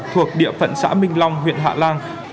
thuộc địa phận xã minh long huyện hạ long